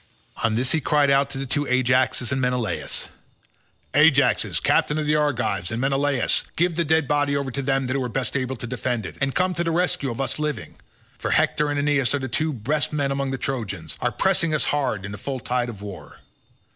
On this he cried out to the two Ajaxes and Menelaus, "Ajaxes captains of the Argives, and Menelaus, give the dead body over to them that are best able to defend it, and come to the rescue of us living; for Hector and Aeneas who are the two best men among the Trojans, are pressing us hard in the full tide of war.